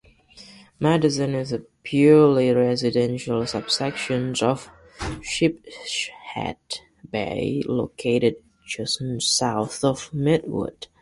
Madison is a purely residential subsection of Sheepshead Bay, located just south of Midwood.